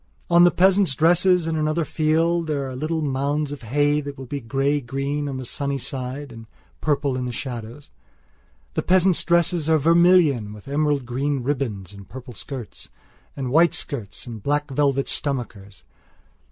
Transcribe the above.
Or the peasants' dresses in another field where there are little mounds of hay that will be grey green on the sunny side and purple in the shadowsthe peasants' dresses are vermilion with emerald green ribbons and purple skirts and white shirts and black velvet stomachers.